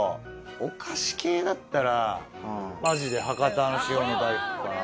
お菓子系だったらマジで伯方の塩の大福かな。